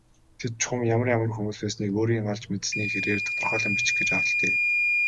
Тэд чухам ямар ямар хүмүүс байсныг өөрийн олж мэдсэний хэрээр тодорхойлон бичих гэж оролдъё.